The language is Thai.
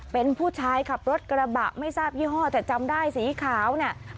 เป็นผู้ชายขับรถกระบะไม่ทราบยี่ห้อแต่จำได้สีขาวเนี่ย